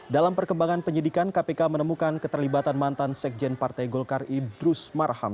dalam perkembangan penyidikan kpk menemukan keterlibatan mantan sekjen partai golkar idrus marham